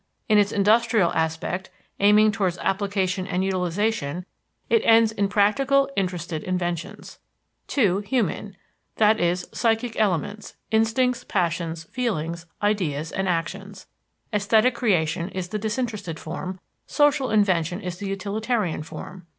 In its industrial aspect, aiming towards application and utilization, it ends in practical, interested inventions. (2) Human, i.e., psychic elements instincts, passions, feelings, ideas, and actions. Esthetic creation is the disinterested form, social invention is the utilitarian form.